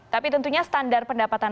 tapi tentunya standar pendapatan